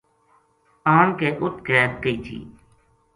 آن کے اُت قید کئی تھی